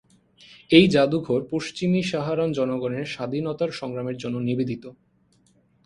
এই যাদুঘর পশ্চিমী সাহারান জনগণের স্বাধীনতা সংগ্রামের জন্য নিবেদিত।